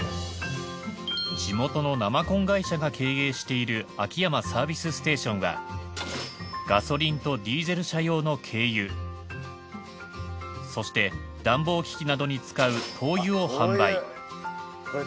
地元の生コン会社が経営している秋山サービスステーションはガソリンとディーゼル車用の軽油そして暖房機器などに使う灯油を販売。